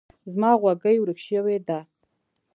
زما غوږۍ ورک شوی ده.